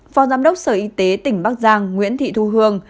phó giám đốc sở y tế tỉnh bắc giang nguyễn thị thu hương